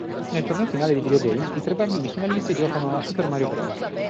Nel torneo finale di Videogame i tre bambini finalisti giocano a "Super Mario Bros.